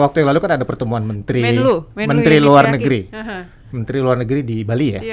waktu yang lalu kan ada pertemuan menteri luar negeri di bali ya